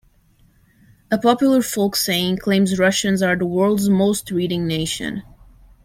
A popular folk saying claims Russians are "the world's most reading nation".